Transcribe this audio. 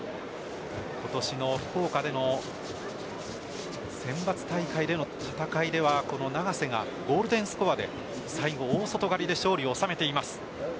今年の福岡での選抜大会での戦いでは永瀬がゴールデンスコアで最後、大外刈で勝利を収めています。